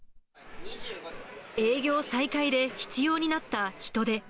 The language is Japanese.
営業再開で必要になった人手。